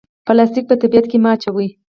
پلاستیک په طبیعت کې مه اچوئ